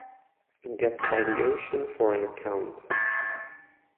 Gets valuation for an account